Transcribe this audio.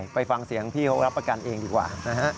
อร่อยไปฟังเสียงพี่รับประกันเองดีกว่า